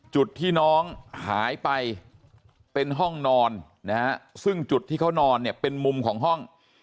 จุดที่น้องหายไปเป็นห้องนอนนะฮะซึ่งจุดที่เขานอนเนี่ยเป็นมุมของห้อง